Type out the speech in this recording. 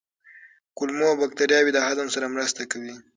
کولمو بکتریاوې د هضم سره مرسته کوي.